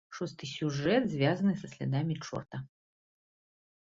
Шосты сюжэт звязаны са слядамі чорта.